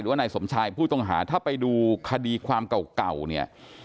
ว่านายสมชายผู้ต้องหาถ้าไปดูคดีความเก่าเนี่ย